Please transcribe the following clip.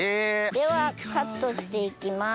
ではカットして行きます。